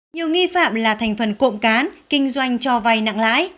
nhiều nghi phạm là thành phần cộng cán kinh doanh cho vay nặng lãi